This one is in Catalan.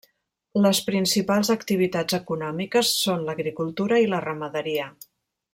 Les principals activitats econòmiques són l'agricultura i la ramaderia.